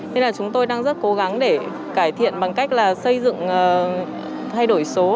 nên là chúng tôi đang rất cố gắng để cải thiện bằng cách là xây dựng thay đổi số